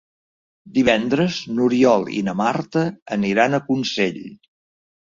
Divendres n'Oriol i na Marta aniran a Consell.